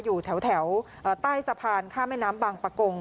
อยู่แถวใต้สะพานข้ามแม่น้ำบางประกง